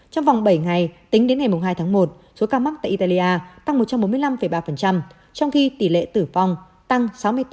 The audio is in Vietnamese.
trong vòng bảy ngày tính đến ngày hai tháng một số ca mắc tại italia tăng một trăm bốn mươi năm ba trong khi tỷ lệ tử vong tăng sáu mươi bốn bốn